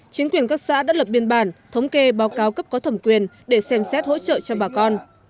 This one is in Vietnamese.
chính quyền các xã đã lập biên bản thống kê báo cáo cấp có thẩm quyền để xem xét hỗ trợ cho bà con